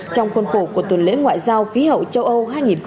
trong khuôn khổ của tuần lễ ngoại giao khí hậu châu âu hai nghìn một mươi chín